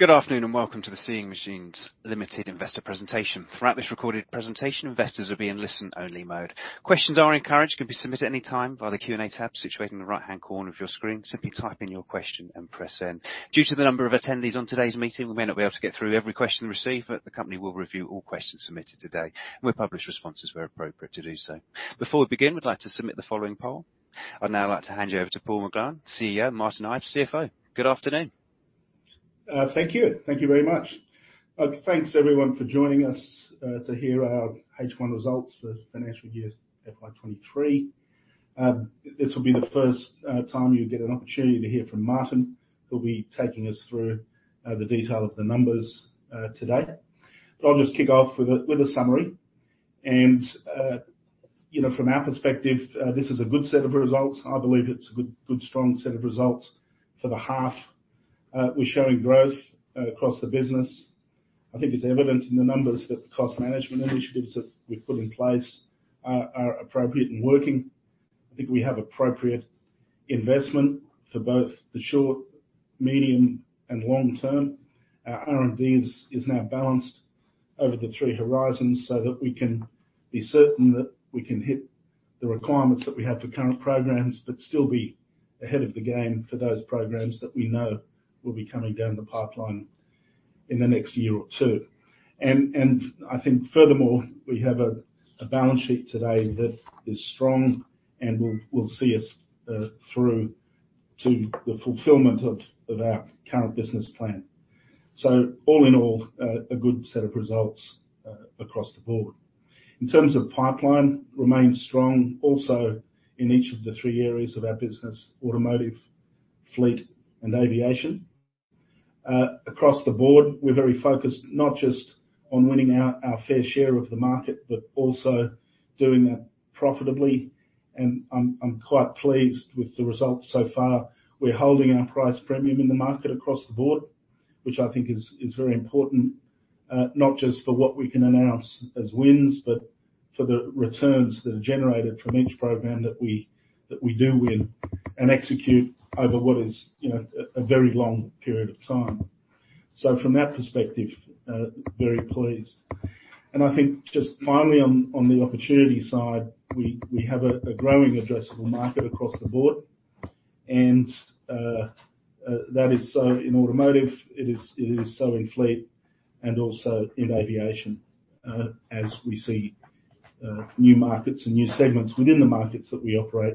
Good afternoon, and welcome to the Seeing Machines Limited investor presentation. Throughout this recorded presentation, investors will be in listen-only mode. Questions are encouraged, can be submitted any time via the Q&A tab situated in the right-hand corner of your screen. Simply type in your question and press enter. Due to the number of attendees on today's meeting, we may not be able to get through every question received, but the company will review all questions submitted today, and we'll publish responses where appropriate to do so. Before we begin, we'd like to submit the following poll. I'd now like to hand you over to Paul McGlone, CEO, Martin Ive, CFO. Good afternoon. Thank you. Thank you very much. Thanks everyone for joining us to hear our H1 results for financial year FY 2023. This will be the first time you get an opportunity to hear from Martin, who'll be taking us through the detail of the numbers today. I'll just kick off with a summary. You know, from our perspective, this is a good set of results. I believe it's a good strong set of results for the half. We're showing growth across the business. I think it's evident in the numbers that the cost management initiatives that we've put in place are appropriate and working. I think we have appropriate investment for both the short, medium, and long term. Our R&D is now balanced over the three horizons so that we can be certain that we can hit the requirements that we have for current programs, but still be ahead of the game for those programs that we know will be coming down the pipeline in the next year or two. I think furthermore, we have a balance sheet today that is strong and will see us through to the fulfillment of our current business plan. All in all, a good set of results across the board. In terms of pipeline, remains strong, also in each of the three areas of our business: automotive, fleet, and aviation. Across the board, we're very focused not just on winning our fair share of the market, but also doing that profitably, and I'm quite pleased with the results so far. We're holding our price premium in the market across the board, which I think is very important, not just for what we can announce as wins, but for the returns that are generated from each program that we do win and execute over what is, you know, a very long period of time. From that perspective, very pleased. I think just finally on the opportunity side, we have a growing addressable market across the board. That is so in automotive, it is so in fleet, and also in aviation, as we see new markets and new segments within the markets that we operate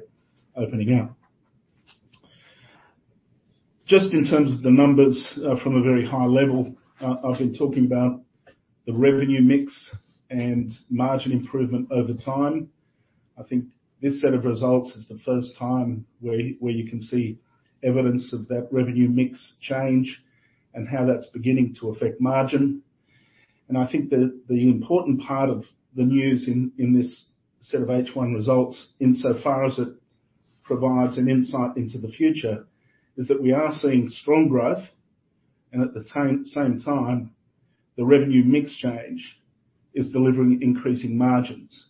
opening up. Just in terms of the numbers, from a very high level, I've been talking about the revenue mix and margin improvement over time. I think this set of results is the first time where you can see evidence of that revenue mix change and how that's beginning to affect margin. I think the important part of the news in this set of H1 results, insofar as it provides an insight into the future, is that we are seeing strong growth, and at the same time, the revenue mix change is delivering increasing margins.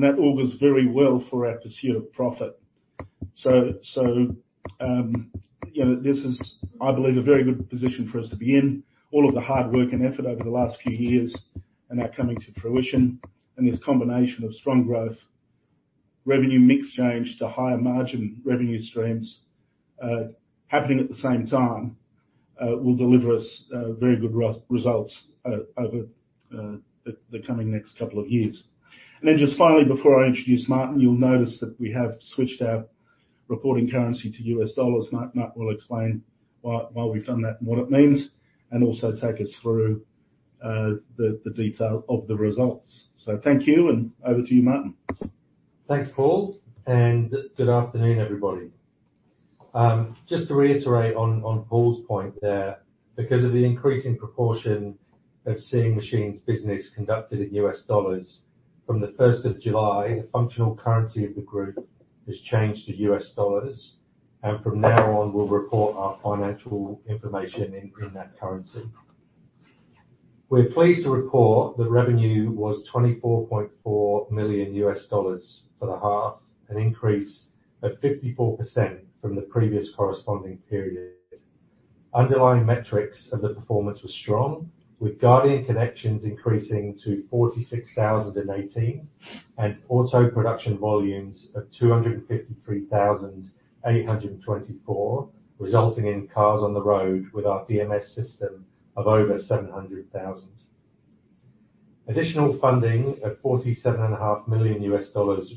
That augurs very well for our pursuit of profit. You know, this is, I believe, a very good position for us to be in. All of the hard work and effort over the last few years are now coming to fruition, and this combination of strong growth, revenue mix change to higher margin revenue streams, happening at the same time, will deliver us very good results over the coming next couple of years. Just finally, before I introduce Martin, you'll notice that we have switched our reporting currency to US dollars. Martin will explain why we've done that and what it means, and also take us through the detail of the results. Thank you, and over to you, Martin. Thanks, Paul, and good afternoon, everybody. Just to reiterate on Paul's point there, because of the increasing proportion of Seeing Machines business conducted in US dollars, from the 1st of July, the functional currency of the group has changed to US dollars, and from now on, we'll report our financial information in that currency. We're pleased to report that revenue was $24.4 million for the half, an increase of 54% from the previous corresponding period. Underlying metrics of the performance were strong, with Guardian connections increasing to 46,018 and auto production volumes of 253,824, resulting in cars on the road with our DMS system of over 700,000. Additional funding of $47.5 .illion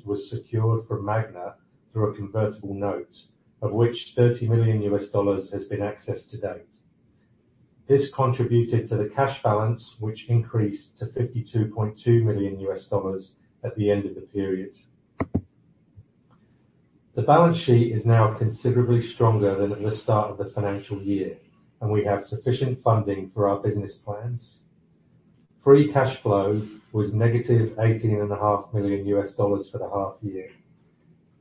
was secured from Magna through a convertible note, of which $30 million has been accessed to-date. This contributed to the cash balance, which increased to $52.2 million at the end of the period. The balance sheet is now considerably stronger than at the start of the financial year, and we have sufficient funding for our business plans. Free cash flow was -$18.5 million for the half year.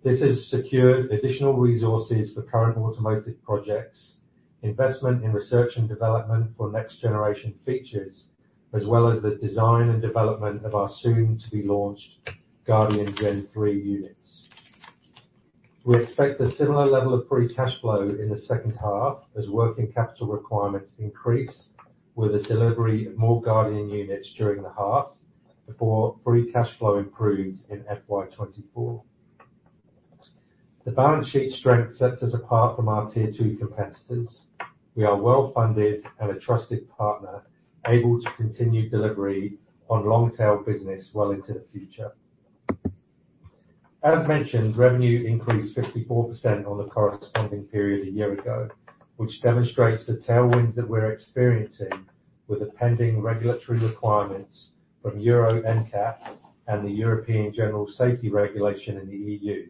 This has secured additional resources for current automotive projects, investment in research and development for next generation features, as well as the design and development of our soon-to-be-launched Guardian Gen 3 units. We expect a similar level of free cash flow in the second half as working capital requirements increase with the delivery of more Guardian units during the half before free cash flow improves in FY 2024. The balance sheet strength sets us apart from our Tier 2 competitors. We are well-funded and a trusted partner, able to continue delivery on long tail business well into the future. As mentioned, revenue increased 54% on the corresponding period a year ago, which demonstrates the tailwinds that we're experiencing with the pending regulatory requirements from Euro NCAP and the European General Safety Regulation in the EU,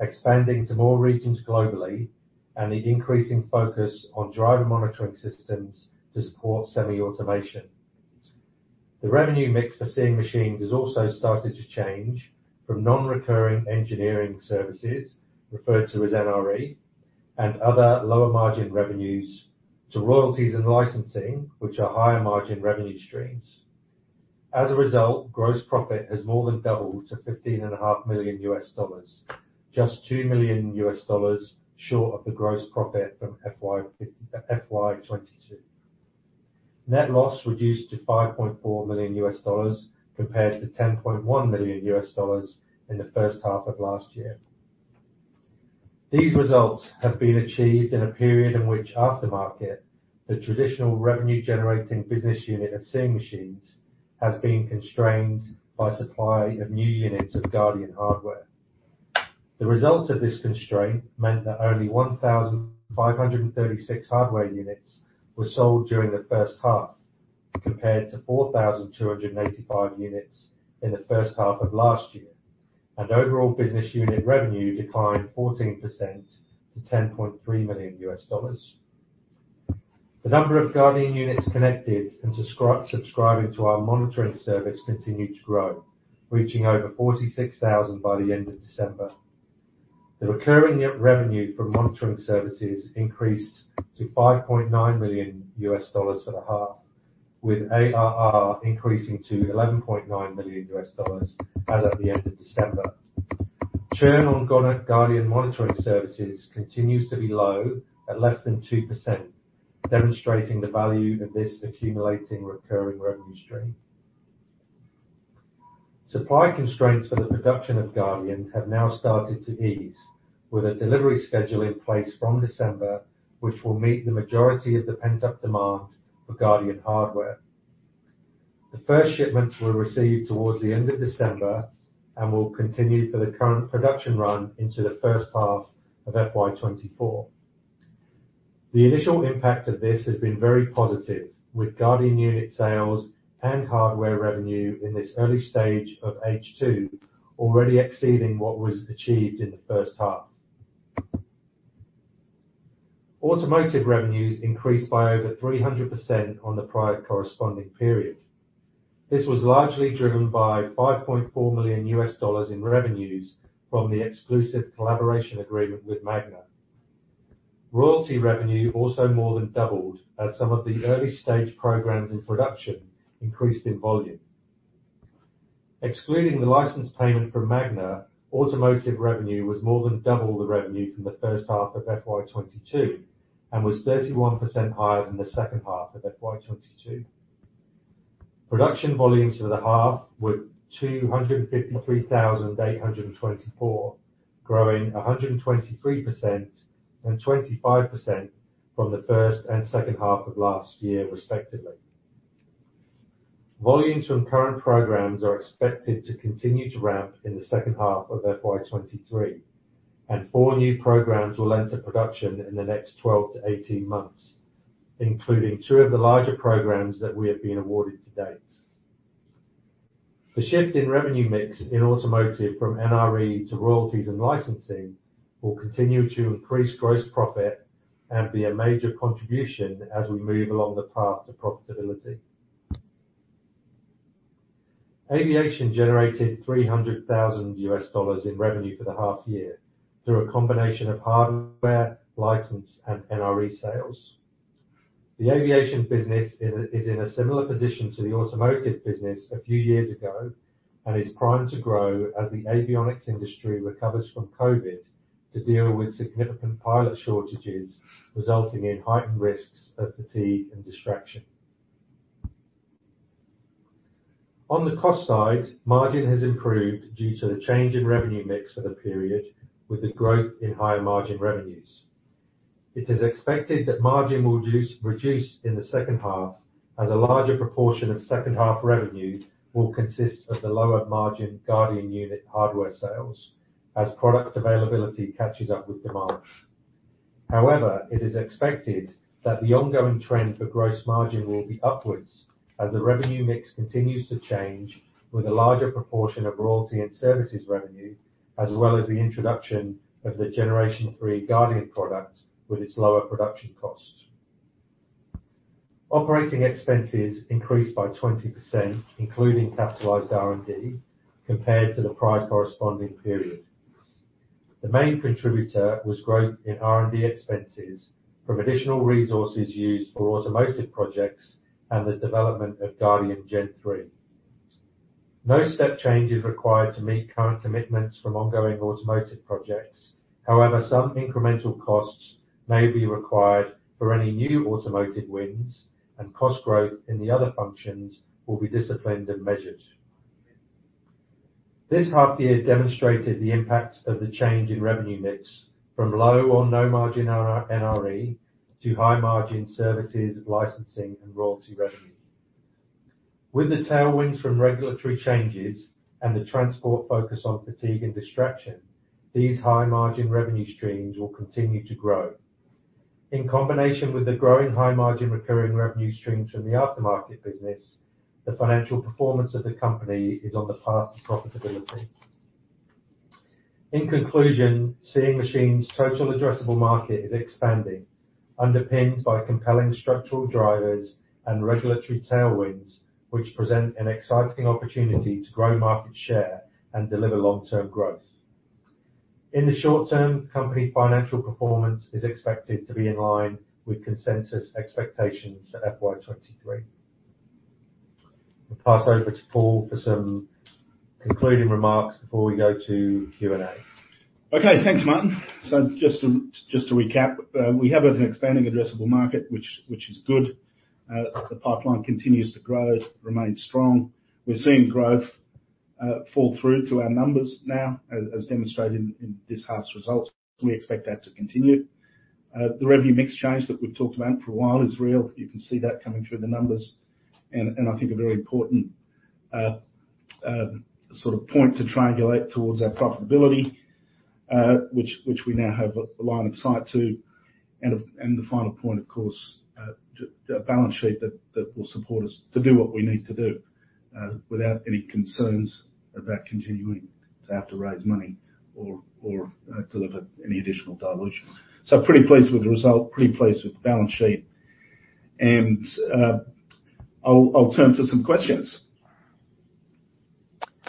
expanding to more regions globally and the increasing focus on driver monitoring systems to support semi-automation. The revenue mix for Seeing Machines has also started to change from non-recurring engineering services, referred to as NRE, and other lower margin revenues to royalties and licensing, which are higher margin revenue streams. Gross profit has more than doubled to $15.5 million, just $2 million short of the gross profit from FY 2022. Net loss reduced to $5.4 million compared to $10.1 million in the first half of last year. These results have been achieved in a period in which aftermarket, the traditional revenue generating business unit of Seeing Machines, has been constrained by supply of new units of Guardian hardware. The result of this constraint meant that only 1,536 hardware units were sold during the first half, compared to 4,285 units in the first half of last year, and overall business unit revenue declined 14% to $10.3 million. The number of Guardian units connected and subscribing to our monitoring service continued to grow, reaching over 46,000 by the end of December. The recurring revenue from monitoring services increased to $5.9 million for the half, with ARR increasing to $11.9 million as of the end of December. Churn on Guardian monitoring services continues to be low at less than 2%, demonstrating the value of this accumulating recurring revenue stream. Supply constraints for the production of Guardian have now started to ease with a delivery schedule in place from December, which will meet the majority of the pent-up demand for Guardian hardware. The first shipments were received towards the end of December and will continue for the current production run into the first half of FY 2024. The initial impact of this has been very positive with Guardian unit sales and hardware revenue in this early stage of H2 already exceeding what was achieved in the first half. Automotive revenues increased by over 300% on the prior corresponding period. This was largely driven by $5.4 million in revenues from the exclusive collaboration agreement with Magna. Royalty revenue also more than doubled as some of the early stage programs in production increased in volume. Excluding the license payment from Magna, automotive revenue was more than double the revenue from the first half of FY 2022 and was 31% higher than the second half of FY 2022. Production volumes for the half were 253,824, growing 123% and 25% from the first and second half of last year, respectively. Volumes from current programs are expected to continue to ramp in the second half of FY 2023, and four new programs will enter production in the next 12-18 months, including two of the larger programs that we have been awarded to-date. The shift in revenue mix in automotive from NRE to royalties and licensing will continue to increase gross profit and be a major contribution as we move along the path to profitability. Aviation generated $300,000 in revenue for the half year through a combination of hardware, license, and NRE sales. The aviation business is in a similar position to the automotive business a few years ago and is primed to grow as the avionics industry recovers from COVID to deal with significant pilot shortages, resulting in heightened risks of fatigue and distraction. On the cost side, margin has improved due to the change in revenue mix for the period with a growth in higher margin revenues. It is expected that margin will reduce in the second half as a larger proportion of second half revenue will consist of the lower margin Guardian unit hardware sales as product availability catches up with demand. It is expected that the ongoing trend for gross margin will be upwards as the revenue mix continues to change with a larger proportion of royalty and services revenue, as well as the introduction of the Generation 3 Guardian product with its lower production costs. Operating expenses increased by 20%, including capitalized R&D compared to the prior corresponding period. The main contributor was growth in R&D expenses from additional resources used for automotive projects and the development of Guardian Gen 3. No step change is required to meet current commitments from ongoing automotive projects. Some incremental costs may be required for any new automotive wins, and cost growth in the other functions will be disciplined and measured. This half year demonstrated the impact of the change in revenue mix from low or no margin NRE to high margin services, licensing and royalty revenue. With the tailwinds from regulatory changes and the transport focus on fatigue and distraction, these high margin revenue streams will continue to grow. In combination with the growing high margin recurring revenue streams from the aftermarket business, the financial performance of the company is on the path to profitability. In conclusion, Seeing Machines' total addressable market is expanding, underpinned by compelling structural drivers and regulatory tailwinds, which present an exciting opportunity to grow market share and deliver long-term growth. In the short term, the company financial performance is expected to be in line with consensus expectations at FY 2023. I'll pass over to Paul for some concluding remarks before we go to Q&A. Okay. Thanks, Martin. Just to recap, we have an expanding addressable market which is good. The pipeline continues to grow, remains strong. We're seeing growth fall through to our numbers now as demonstrated in this half's results. We expect that to continue. The revenue mix change that we've talked about for a while is real. You can see that coming through the numbers and I think a very important sort of point to triangulate towards our profitability, which we now have a line of sight to. The final point, of course, to... a balance sheet that will support us to do what we need to do, without any concerns about continuing to have to raise money or deliver any additional dilution. Pretty pleased with the result, pretty pleased with the balance sheet. I'll turn to some questions.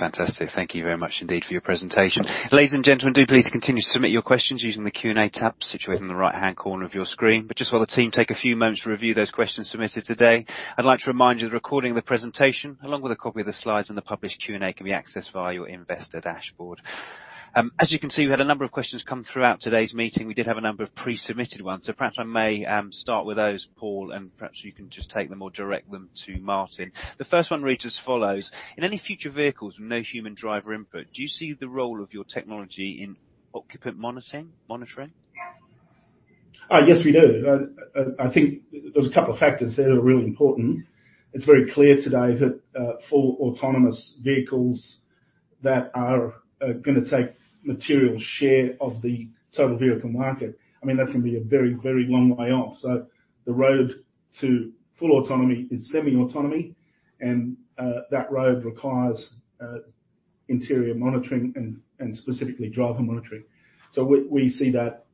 Fantastic. Thank you very much indeed for your presentation. Ladies and gentlemen, do please continue to submit your questions using the Q&A tab situated in the right-hand corner of your screen. Just while the team take a few moments to review those questions submitted today, I'd like to remind you the recording of the presentation along with a copy of the slides and the published Q&A can be accessed via your investor dashboard. As you can see, we had a number of questions come throughout today's meeting. We did have a number of pre-submitted ones, so perhaps I may start with those, Paul, and perhaps you can just take them or direct them to Martin. The first one reads as follows: In any future vehicles with no human driver input, do you see the role of your technology in occupant monitoring? Yes, we do. I think there's a couple of factors there that are really important. It's very clear today that full autonomous vehicles that are going to take material share of the total vehicle market. I mean, that's going to be a very, very long way off. So the road to full autonomy is semi-autonomy. That road requires interior monitoring and specifically driver monitoring. So we see that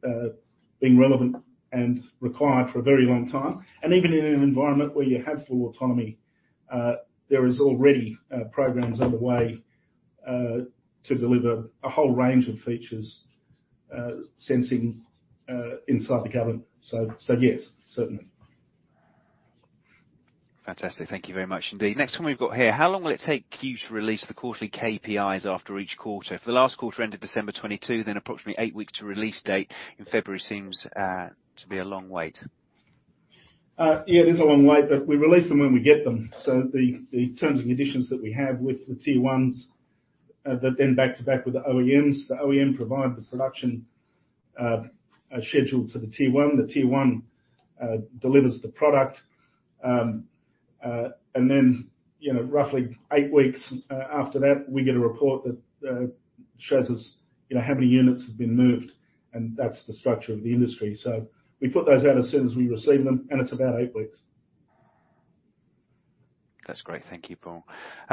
being relevant and required for a very long time. Even in an environment where you have full autonomy, there is already programs underway to deliver a whole range of features, sensing inside the cabin. So, yes, certainly. Fantastic. Thank you very much indeed. Next one we've got here. How long will it take you to release the quarterly KPIs after each quarter? If the last quarter ended December 2022, approximately eight weeks to release date in February seems to be a long wait. Yeah, it is a long wait, but we release them when we get them. The terms and conditions that we have with the Tier 1s that then back to back with the OEMs. The OEM provide the production schedule to the Tier 1. The Tier 1 delivers the product. Then, you know, roughly eight weeks after that, we get a report that shows us, you know, how many units have been moved, and that's the structure of the industry. We put those out as soon as we receive them, and it's about eight weeks. That's great. Thank you, Paul.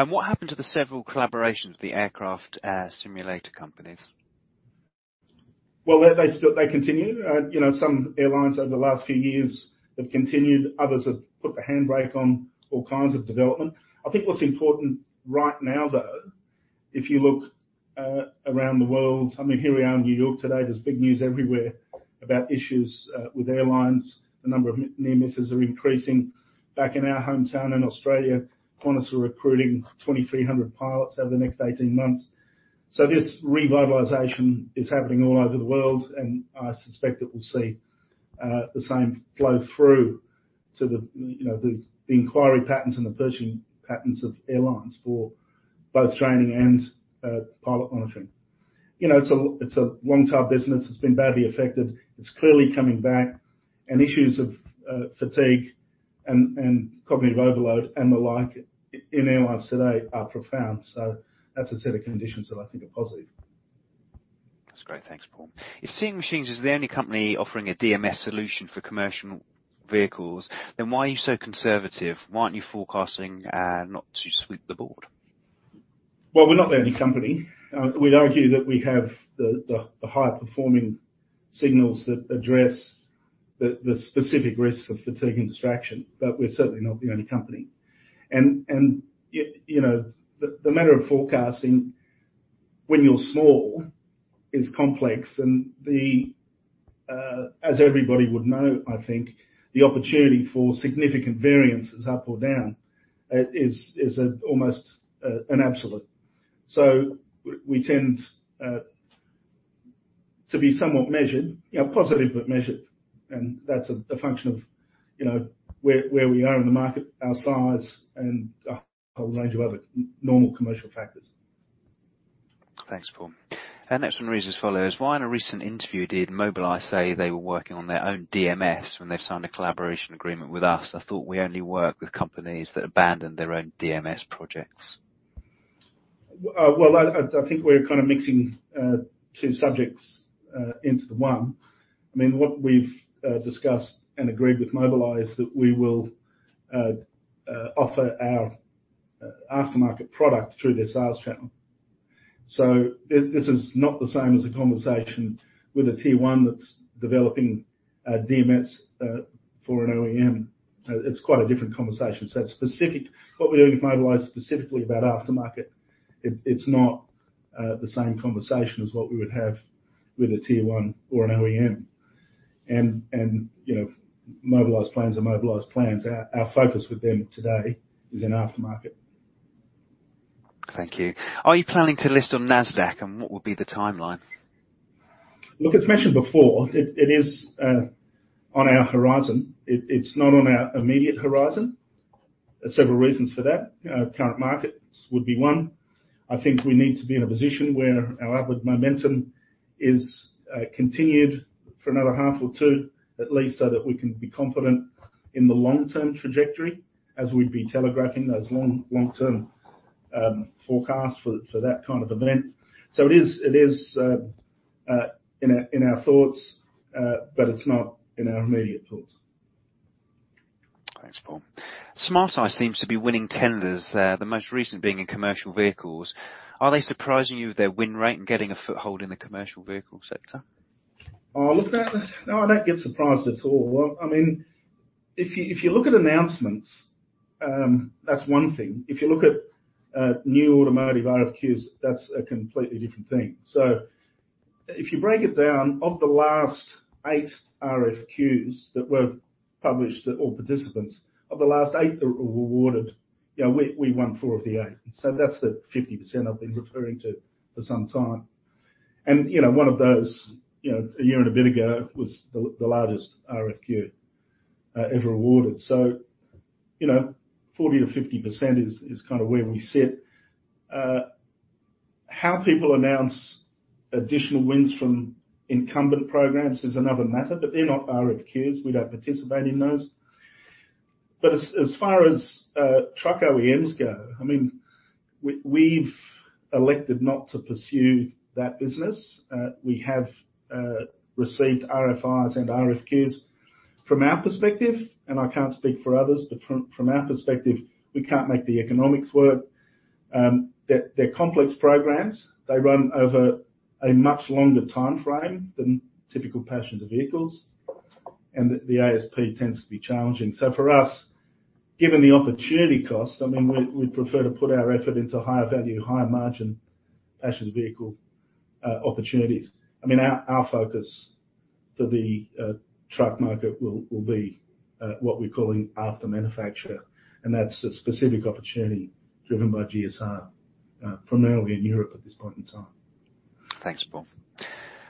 What happened to the several collaborations with the aircraft simulator companies? They continue. You know, some airlines over the last few years have continued. Others have put the handbrake on all kinds of development. I think what's important right now, though, if you look, around the world, I mean, here we are in New York today, there's big news everywhere about issues, with airlines. The number of near misses are increasing. Back in our hometown in Australia, Qantas are recruiting 2,300 pilots over the next 18 months. This revitalization is happening all over the world, and I suspect that we'll see the same flow through to the inquiry patterns and the purchasing patterns of airlines for both training and pilot monitoring. You know, it's a, it's a long tail business. It's been badly affected. It's clearly coming back. Issues of fatigue and cognitive overload and the like in airlines today are profound. That's a set of conditions that I think are positive. That's great. Thanks, Paul. If Seeing Machines is the only company offering a DMS solution for commercial vehicles, why are you so conservative? Why aren't you forecasting, not to sweep the board? Well, we're not the only company. We'd argue that we have the higher-performing signals that address the specific risks of fatigue and distraction, but we're certainly not the only company. You know, the matter of forecasting when you're small is complex and as everybody would know, I think, the opportunity for significant variances up or down, is almost an absolute. We tend to be somewhat measured. You know, positive but measured, and that's a function of, you know, where we are in the market, our size and a whole range of other normal commercial factors. Thanks, Paul. Our next one reads as follows: Why in a recent interview did Mobileye say they were working on their own DMS when they've signed a collaboration agreement with us? I thought we only work with companies that abandoned their own DMS projects. Well, I think we're kind of mixing two subjects into one. I mean, what we've discussed and agreed with Mobileye is that we will offer our aftermarket product through their sales channel. This is not the same as a conversation with a Tier 1 that's developing a DMS for an OEM. It's quite a different conversation. What we're doing with Mobileye is specifically about aftermarket. It's not the same conversation as what we would have with a Tier 1 or an OEM. You know, Mobileye plans are Mobileye plans. Our focus with them today is in aftermarket. Thank you. Are you planning to list on Nasdaq, and what will be the timeline? Look, as mentioned before, it is on our horizon. It's not on our immediate horizon. There's several reasons for that. Current markets would be one. I think we need to be in a position where our upward momentum is continued for another half or two at least, so that we can be confident in the long-term trajectory as we'd be telegraphing those long-term forecasts for that kind of event. It is in our thoughts, but it's not in our immediate thoughts. Thanks, Paul. Smart Eye seems to be winning tenders, the most recent being in commercial vehicles. Are they surprising you with their win rate and getting a foothold in the commercial vehicle sector? Look, no, I don't get surprised at all. I mean, if you look at announcements, that's one thing. If you look at new automotive RFQs, that's a completely different thing. If you break it down, of the last eight RFQs that were published to all participants, of the last eight that were awarded, you know, we won four of the eight. That's the 50% I've been referring to for some time. You know, one of those, you know, a year and a bit ago was the largest RFQ ever awarded. You know, 40%-50% is kind of where we sit. How people announce additional wins from incumbent programs is another matter, they're not RFQs. We don't participate in those. As far as truck OEMs go, I mean, we've elected not to pursue that business. We have received RFIs and RFQs. From our perspective, and I can't speak for others, but from our perspective, we can't make the economics work. They're complex programs. They run over a much longer timeframe than typical passenger vehicles, and the ASP tends to be challenging. For us, given the opportunity cost, I mean, we'd prefer to put our effort into higher value, higher margin passenger vehicle opportunities. I mean, our focus for the truck market will be what we're calling After-Manufacturer, and that's a specific opportunity driven by GSR primarily in Europe at this point in time. Thanks, Paul.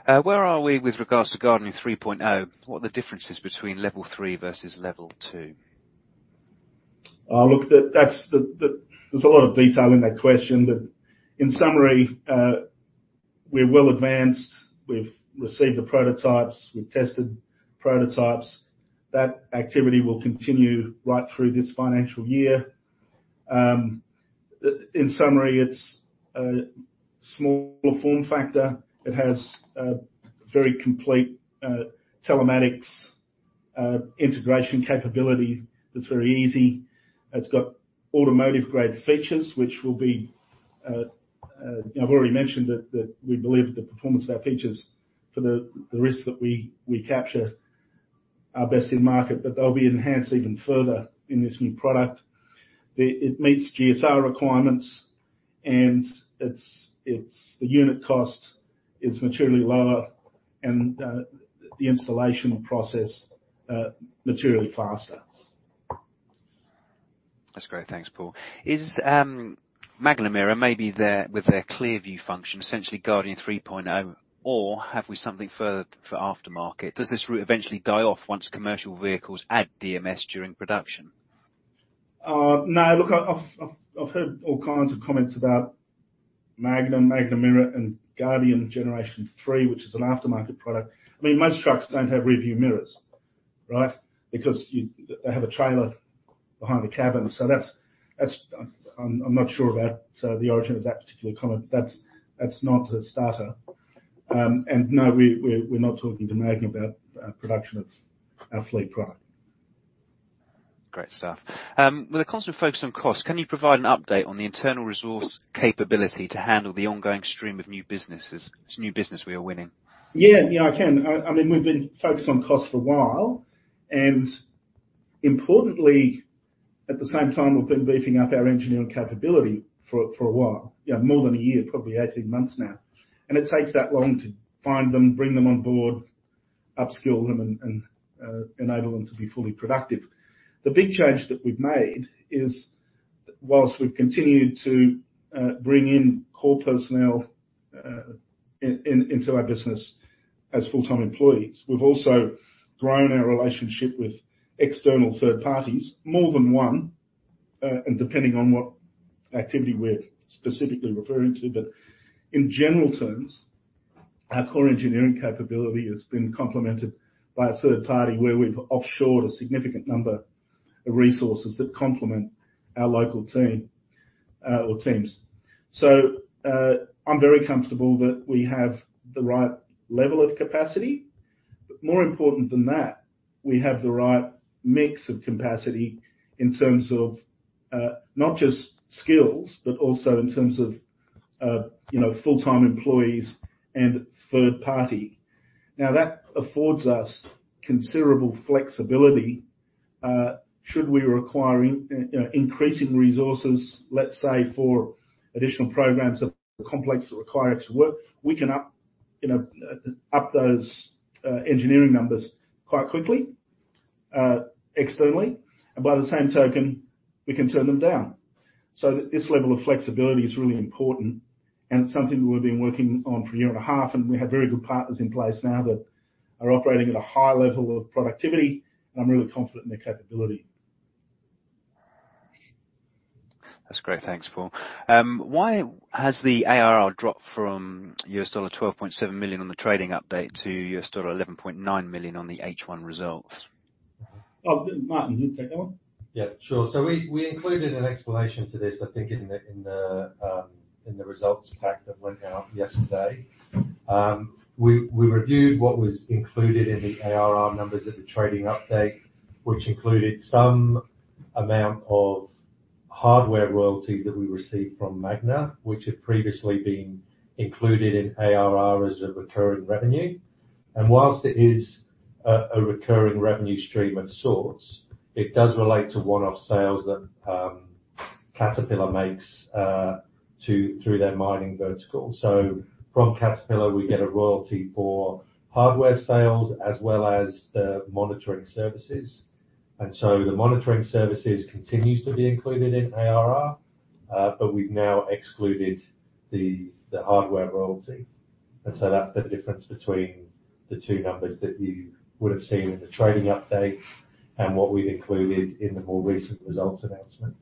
Where are we with regards to Guardian 3.0? What are the differences between level 3 versus level 2? Look, There's a lot of detail in that question, but in summary, we're well advanced. We've received the prototypes. We've tested prototypes. That activity will continue right through this financial year. In summary, it's a smaller form factor. It has a very complete telematics integration capability that's very easy. It's got automotive-grade features, which will be, You know, I've already mentioned that we believe the performance of our features for the risks that we capture are best in market, but they'll be enhanced even further in this new product. It meets GSR requirements, and it's the unit cost is materially lower and the installation process materially faster. That's great. Thanks, Paul. Is Magna Mirror maybe their, with their ClearView function, essentially Guardian 3.0, or have we something further for aftermarket? Does this route eventually die off once commercial vehicles add DMS during production? No. Look, I've heard all kinds of comments about Magna Mirror and Guardian Generation 3, which is an aftermarket product. I mean, most trucks don't have rear view mirrors, right? Because they have a trailer behind the cabin. So that's... I'm not sure about the origin of that particular comment. That's, that's not the starter. No, we're not talking to Magna about production of our fleet product. Great stuff. With a constant focus on cost, can you provide an update on the internal resource capability to handle the ongoing stream of new businesses, this new business we are winning? Yeah, I can. I mean, we've been focused on cost for a while. Importantly, at the same time, we've been beefing up our engineering capability for a while, you know, more than a year, probably 18 months now. It takes that long to find them, bring them on board, upskill them, and enable them to be fully productive. The big change that we've made is whilst we've continued to bring in core personnel into our business as full-time employees, we've also grown our relationship with external third parties, more than one, and depending on what activity we're specifically referring to. In general terms, our core engineering capability has been complemented by a third party where we've offshored a significant number of resources that complement our local team or teams. I'm very comfortable that we have the right level of capacity, but more important than that, we have the right mix of capacity in terms of, not just skills, but also in terms of, you know, full-time employees and third party. Now, that affords us considerable flexibility, should we require in, increasing resources, let's say, for additional programs of complex that require extra work. We can up, you know, up those, engineering numbers quite quickly, externally, and by the same token, we can turn them down. This level of flexibility is really important, and it's something we've been working on for a year and a half, and we have very good partners in place now that are operating at a high level of productivity, and I'm really confident in their capability. That's great. Thanks, Paul. Why has the ARR dropped from $12.7 million on the trading update to $11.9 million on the H1 results? Martin, do you take that one? Yeah, sure. We included an explanation to this, I think, in the results pack that went out yesterday. We reviewed what was included in the ARR numbers at the trading update, which included some amount of hardware royalties that we received from Magna, which had previously been included in ARR as a recurring revenue. Whilst it is a recurring revenue stream of sorts, it does relate to one-off sales that Caterpillar makes through their mining vertical. From Caterpillar, we get a royalty for hardware sales as well as the monitoring services. The monitoring services continues to be included in ARR, but we've now excluded the hardware royalty. That's the difference between the two numbers that you would have seen in the trading update and what we've included in the more recent results announcement.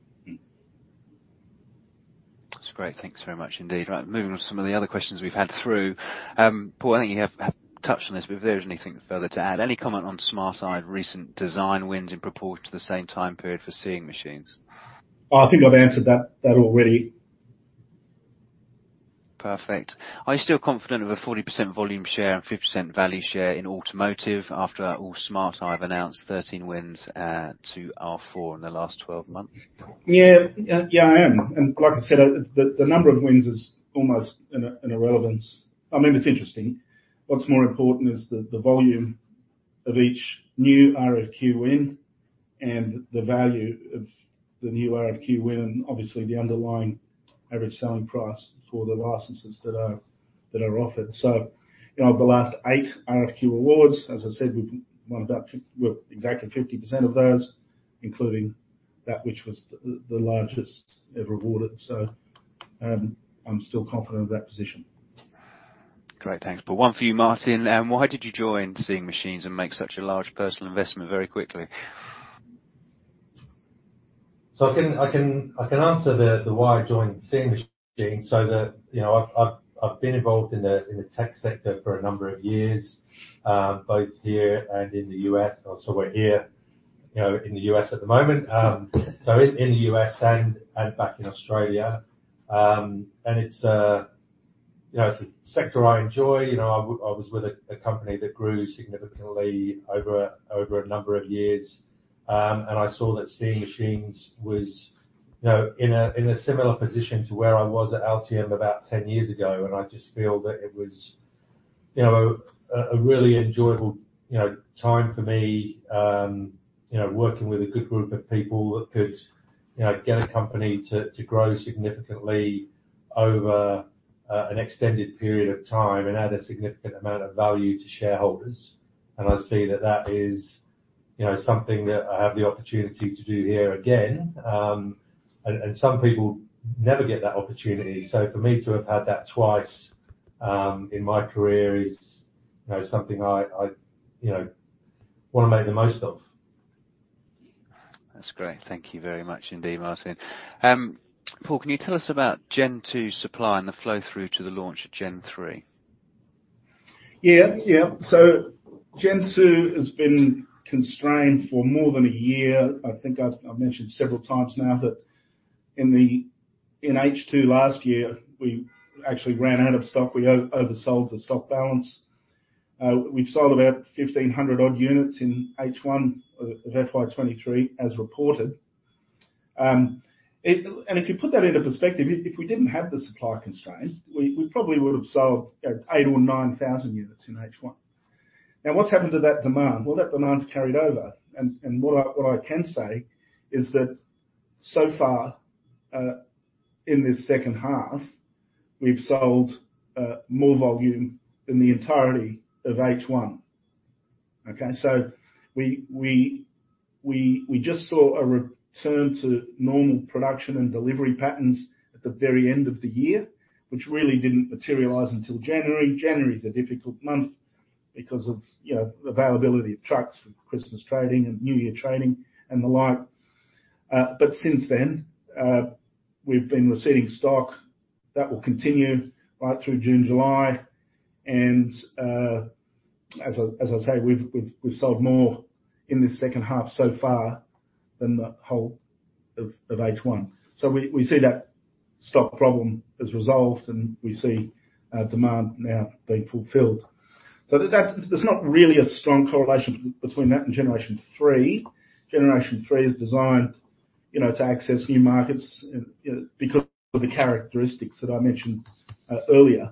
That's great. Thanks very much indeed. Moving on to some of the other questions we've had through. Paul, I think you have touched on this, but if there is anything further to add. Any comment on Smart Eye recent design wins in proportion to the same time period for Seeing Machines? I think I've answered that already. Perfect. Are you still confident of a 40% volume share and 50% value share in automotive after all Smart Eye have announced 13 wins to R4 in the last 12 months? Yeah, I am. Like I said, the number of wins is almost an irrelevance. I mean, it's interesting. What's more important is the volume of each new RFQ win and the value of the new RFQ win, and obviously the underlying average selling price for the licenses that are offered. You know, of the last eight RFQ awards, as I said, we've won about well, exactly 50% of those, including that which was the largest ever awarded. I'm still confident of that position. Great. Thanks. One for you, Martin. Why did you join Seeing Machines and make such a large personal investment very quickly? I can answer the why I joined Seeing Machines. You know, I've been involved in the tech sector for a number of years, both here and in the U.S. We're here, you know, in the U.S. at the moment. In the U.S. and back in Australia. It's a, you know, it's a sector I enjoy. You know, I was with a company that grew significantly over a number of years. I saw that Seeing Machines was, you know, in a similar position to where I was at Altium about 10 years ago. I just feel that it was, you know, a really enjoyable, you know, time for me, you know, working with a good group of people that could, you know, get a company to grow significantly over an extended period of time and add a significant amount of value to shareholders. I see that that is, you know, something that I have the opportunity to do here again. Some people never get that opportunity. For me to have had that twice in my career is, you know, something I, you know, wanna make the most of. That's great. Thank you very much indeed, Martin Ive. Paul McGlone, can you tell us about Gen 2 supply and the flow through to the launch of Gen 3? Yeah. Yeah. Gen 2 has been constrained for more than a year. I think I've mentioned several times now that in H2 last year, we actually ran out of stock. We oversold the stock balance. We've sold about 1,500 odd units in H1 of FY 2023 as reported. If you put that into perspective, if we didn't have the supply constraint, we probably would have sold 8,000 or 9,000 units in H1. What's happened to that demand? That demand's carried over. What I can say is that so far, in this second half, we've sold more volume than the entirety of H1. Okay? We just saw a return to normal production and delivery patterns at the very end of the year, which really didn't materialize until January. January is a difficult month because of, you know, availability of trucks for Christmas trading and New Year trading and the like. Since then, we've been receiving stock that will continue right through June, July. As I say, we've sold more in this second half so far than the whole of H1. We see that stock problem is resolved, and we see demand now being fulfilled. There's not really a strong correlation between that and Generation 3. Generation 3 is designed, you know, to access new markets because of the characteristics that I mentioned earlier.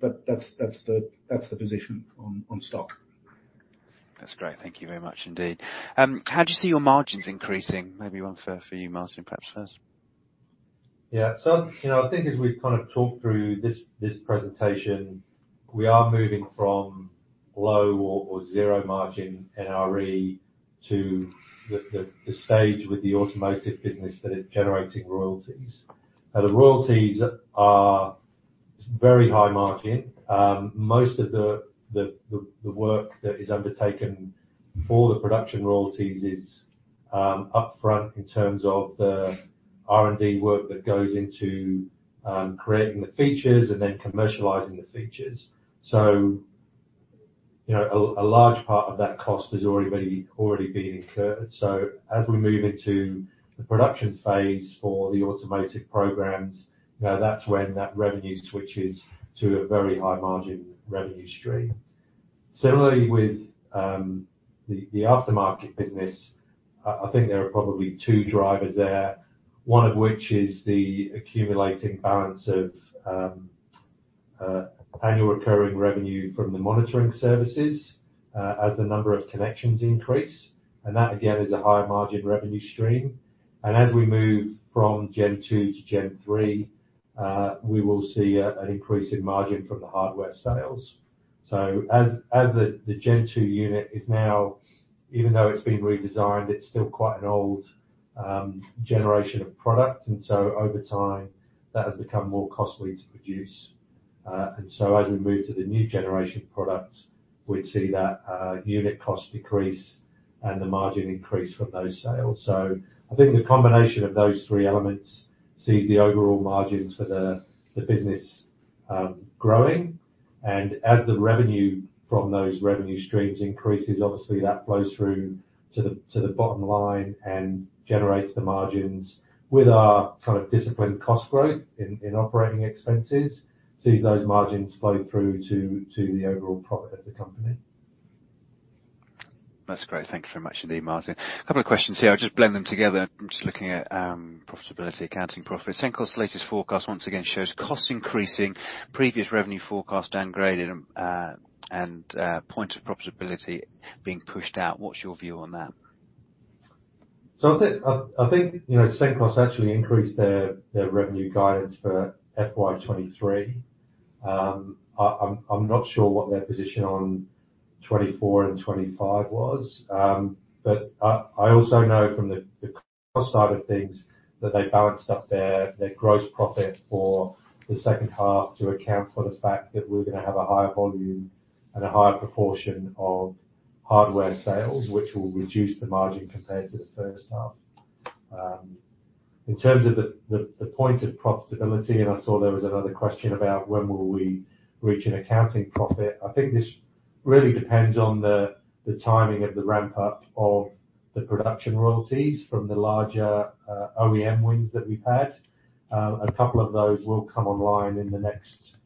That's the position on stock. That's great. Thank you very much indeed. How do you see your margins increasing? Maybe one for you, Martin, perhaps first. You know, I think as we've kind of talked through this presentation, we are moving from low or zero margin NRE to the stage with the automotive business that is generating royalties. Now, the royalties are very high margin. Most of the work that is undertaken for the production royalties is upfront in terms of the R&D work that goes into creating the features and then commercializing the features. You know, a large part of that cost has already been incurred. As we move into the production phase for the automotive programs, you know, that's when that revenue switches to a very high margin revenue stream. Similarly, with the aftermarket business, I think there are probably two drivers there, one of which is the accumulating balance of annual recurring revenue from the monitoring services as the number of connections increase. That again, is a high margin revenue stream. As we move from Gen 2 to Gen 3, we will see an increase in margin from the hardware sales. As the Gen 2 unit is now, even though it's been redesigned, it's still quite an old generation of product. Over time, that has become more costly to produce. As we move to the new generation product, we'd see that unit cost decrease and the margin increase from those sales. I think the combination of those three elements sees the overall margins for the business growing. As the revenue from those revenue streams increases, obviously that flows through to the bottom line and generates the margins with our kind of disciplined cost growth in operating expenses, sees those margins flow through to the overall profit of the company. That's great. Thank you very much indeed, Martin. A couple of questions here. I'll just blend them together. I'm just looking at profitability, accounting profits. Cenkos' latest forecast once again shows costs increasing, previous revenue forecast downgraded, and point of profitability being pushed out. What's your view on that? I think, you know, Cenkos actually increased their revenue guidance for FY 2023. I'm not sure what their position on 2024 and 2025 was. I also know from the cost side of things that they balanced up their gross profit for the second half to account for the fact that we're gonna have a higher volume and a higher proportion of hardware sales, which will reduce the margin compared to the first half. In terms of the point of profitability, and I saw there was another question about when will we reach an accounting profit, I think this really depends on the timing of the ramp-up of the production royalties from the larger OEM wins that we've had. A couple of those will come online in the next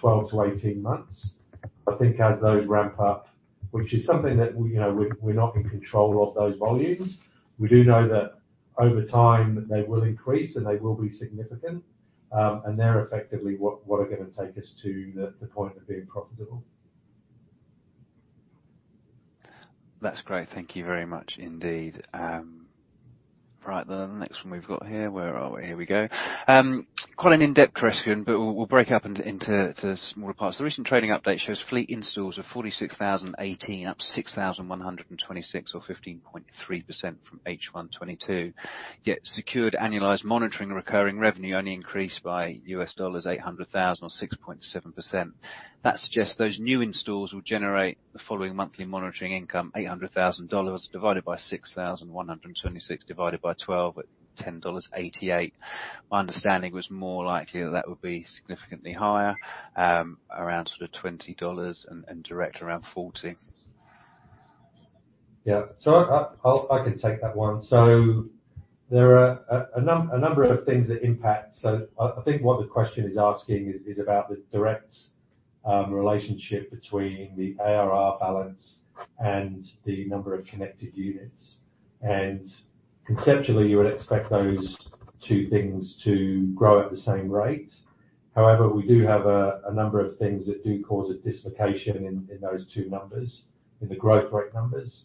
12 to 18 months. I think as those ramp up, which is something that we, you know, we're not in control of those volumes. We do know that over time they will increase, and they will be significant. They're effectively what are gonna take us to the point of being profitable. That's great. Thank you very much indeed. The next one we've got here. Where are we? Here we go. Quite an in-depth question, we'll break up into smaller parts. The recent trading update shows fleet installs of 46,018, up 6,126 or 15.3% from H1 2022, secured annualized monitoring recurring revenue only increased by $800,000 or 6.7%. That suggests those new installs will generate the following monthly monitoring income, $800,000 divided by 6,126 divided by 12 at $10.88. My understanding was more likely that would be significantly higher, around sort of $20 and direct around $40. I can take that one. There are a number of things that impact. I think what the question is asking is about the direct relationship between the ARR balance and the number of connected units. Conceptually, you would expect those two things to grow at the same rate. We do have a number of things that do cause a dislocation in those two numbers, in the growth rate numbers.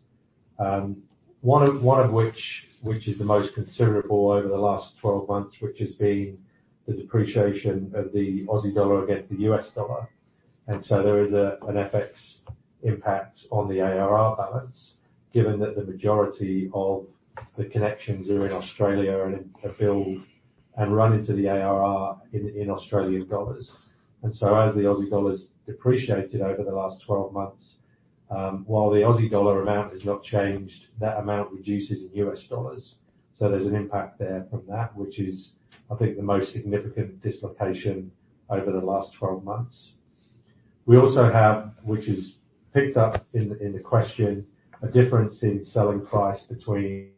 One of which is the most considerable over the last 12 months, which has been the depreciation of the Aussie dollar against the US dollar. There is an FX impact on the ARR balance, given that the majority of the connections are in Australia and are billed and run into the ARR in Australian dollars. As the Aussie dollar's depreciated over the last 12 months, while the Aussie dollar amount has not changed, that amount reduces in US dollars. There's an impact there from that, which is, I think, the most significant dislocation over the last 12 months. We also have, which is picked up in the, in the question, a difference in selling price between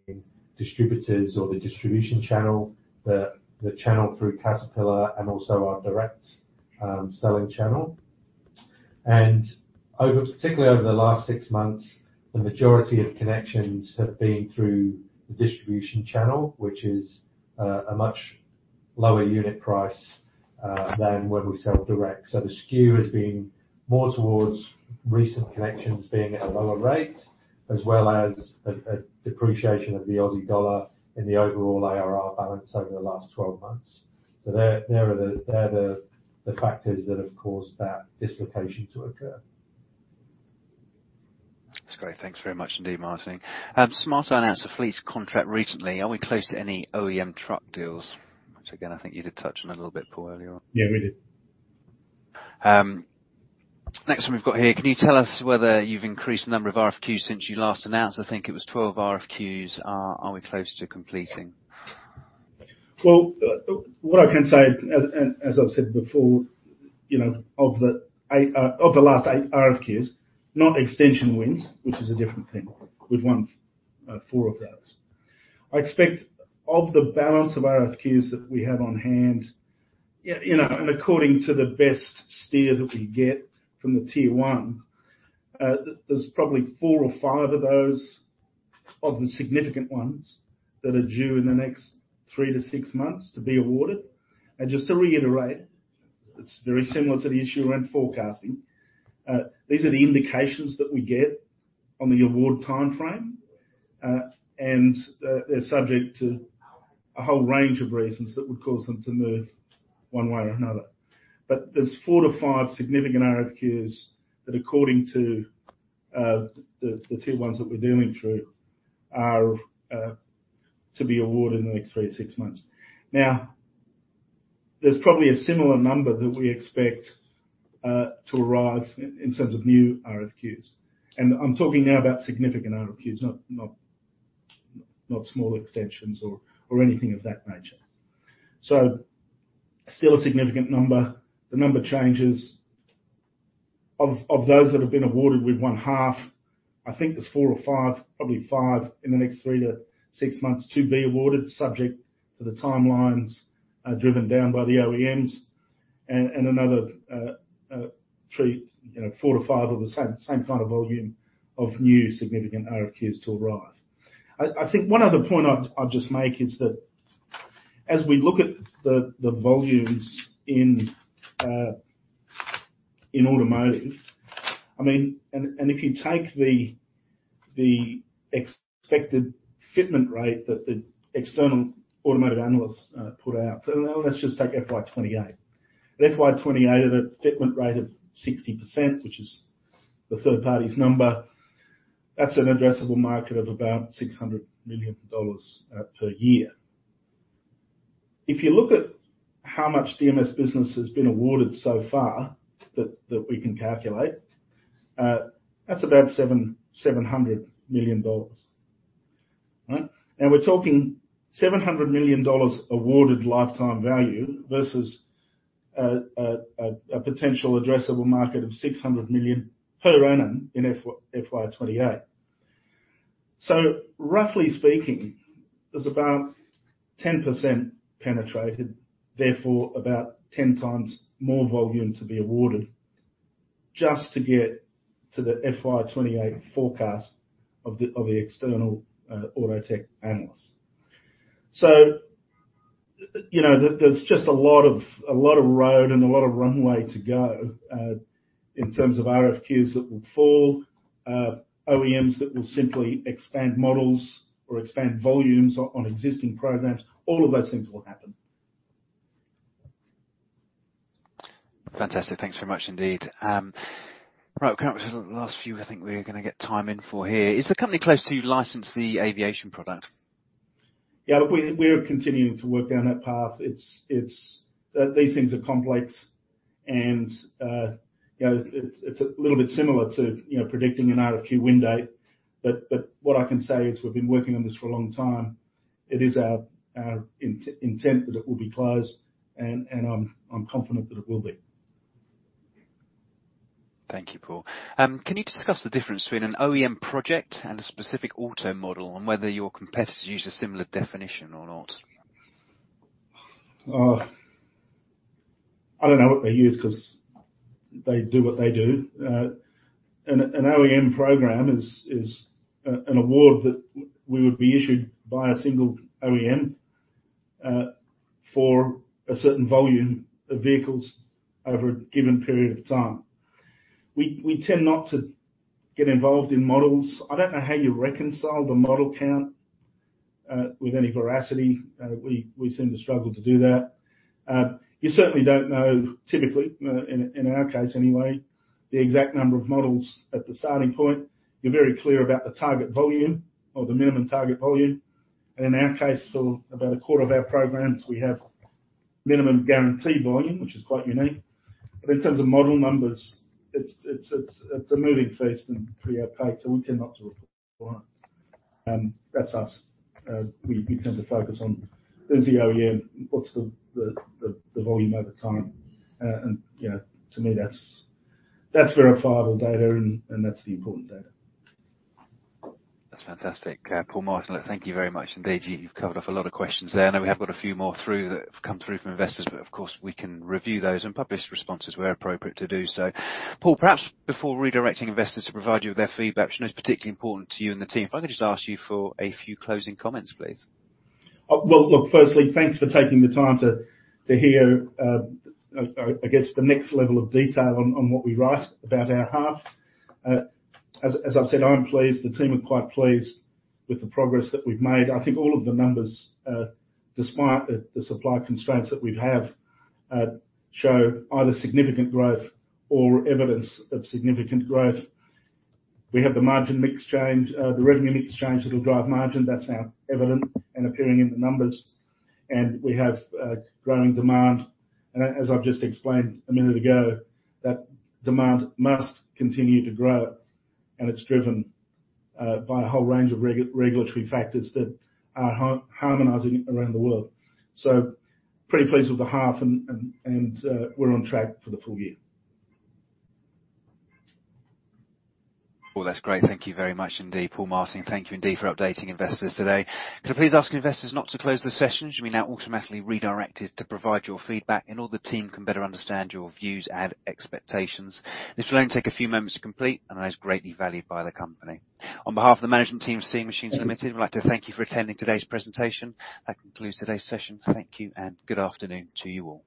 distributors or the distribution channel, the channel through Caterpillar and also our direct selling channel. Over, particularly over the last six months, the majority of connections have been through the distribution channel, which is a much lower unit price than when we sell direct. The skew has been more towards recent connections being at a lower rate, as well as a depreciation of the Aussie dollar in the overall ARR balance over the last 12 months. There are the, they're the factors that have caused that dislocation to occur. That's great. Thanks very much indeed, Martin. Smart Eye announced a fleet contract recently. Are we close to any OEM truck deals? Which again, I think you did touch on a little bit, Paul, earlier on. Yeah, we did. Next one we've got here: Can you tell us whether you've increased the number of RFQs since you last announced? I think it was 12 RFQs. Are we close to completing? Well, what I can say, as, and as I've said before, you know, of the eight, of the last eight RFQs, not extension wins, which is a different thing. We've won four of those. I expect of the balance of RFQs that we have on hand, you know, and according to the best steer that we get from the Tier 1, there's probably four or five of those, of the significant ones, that are due in the next three to six months to be awarded. Just to reiterate, it's very similar to the issue around forecasting. These are the indications that we get on the award timeframe, and, they're subject to a whole range of reasons that would cause them to move one way or another. There's four to five significant RFQs that according to the Tier 1s that we're dealing through are to be awarded in the next three to six months. Now, there's probably a similar number that we expect to arrive in terms of new RFQs, and I'm talking now about significant RFQs, not small extensions or anything of that nature. Still a significant number. The number changes. Of those that have been awarded, we've won half. I think there's four or five, probably five in the next three to six months to be awarded, subject to the timelines driven down by the OEMs and another three, you know, four to five of the same kind of volume of new significant RFQs to arrive. I think one other point I'd just make is that as we look at the volumes in automotive, I mean, if you take the expected fitment rate that the external automotive analysts put out. For now, let's just take FY 2028. At FY 2028, at a fitment rate of 60%, which is the third party's number, that's an addressable market of about $600 million per year. If you look at how much DMS business has been awarded so far, that we can calculate, that's about $700 million. Right? Now we're talking $700 million awarded lifetime value versus a potential addressable market of $600 million per annum in FY 2028. Roughly speaking, there's about 10% penetrated, therefore about 10x more volume to be awarded just to get to the FY 2028 forecast of the, of the external, auto tech analysts. You know, there's just a lot of, a lot of road and a lot of runway to go, in terms of RFQs that will fall, OEMs that will simply expand models or expand volumes on existing programs. All of those things will happen. Fantastic. Thanks very much indeed. Right, coming up to the last few I think we're gonna get time in for here. Is the company close to licensing the aviation product? Yeah, look, we're continuing to work down that path. These things are complex and, you know, it's a little bit similar to, you know, predicting an RFQ win date. What I can say is we've been working on this for a long time. It is our intent that it will be closed and I'm confident that it will be. Thank you, Paul. Can you discuss the difference between an OEM project and a specific auto model, and whether your competitors use a similar definition or not? I don't know what they use 'cause they do what they do. An OEM program is an award that we would be issued by a single OEM for a certain volume of vehicles over a given period of time. We tend not to get involved in models. I don't know how you reconcile the model count with any veracity. We seem to struggle to do that. You certainly don't know typically, in our case anyway, the exact number of models at the starting point. In our case, for about a quarter of our programs, we have minimum guaranteed volume, which is quite unique. In terms of model numbers, it's a moving feast and pre-applied, so we tend not to report on it. That's us. We tend to focus on who's the OEM, what's the volume over time. You know, to me, that's verifiable data and that's the important data. That's fantastic. Paul, Martin, thank you very much indeed. You, you've covered off a lot of questions there. I know we have got a few more through that have come through from investors, but of course, we can review those and publish responses where appropriate to do so. Paul, perhaps before redirecting investors to provide you with their feedback, which I know is particularly important to you and the team, if I could just ask you for a few closing comments, please. Well, look, firstly, thanks for taking the time to hear, I guess the next level of detail on what we write about our half. As, as I've said, I'm pleased, the team are quite pleased with the progress that we've made. I think all of the numbers, despite the supply constraints that we've have, show either significant growth or evidence of significant growth. We have the margin mix change, the revenue mix change that'll drive margin. That's now evident and appearing in the numbers. We have growing demand. As I've just explained a minute ago, that demand must continue to grow, and it's driven by a whole range of regulatory factors that are harmonizing around the world. Pretty pleased with the half and, we're on track for the full year. That's great. Thank you very much indeed, Paul Martin. Thank you indeed for updating investors today. Can I please ask investors not to close the session? You should be now automatically redirected to provide your feedback and all the team can better understand your views and expectations. This will only take a few moments to complete and is greatly valued by the company. On behalf of the management team at Seeing Machines Limited, we'd like to thank you for attending today's presentation. That concludes today's session. Thank you, and good afternoon to you all.